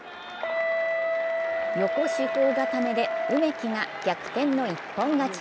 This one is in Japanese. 横四方固めで梅木が逆転の一本勝ち。